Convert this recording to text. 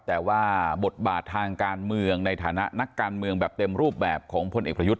แต่ว่าบทบาททางการเมืองในฐานะนักการเมืองแบบเต็มรูปแบบของพลเอกประยุทธ์